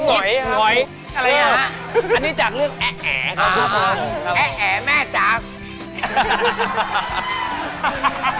อันนี้จากเรื่องแอแอครับ